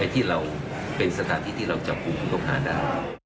ที่เราเป็นสถานที่ที่เราจับคุมทุกข์ผ่านได้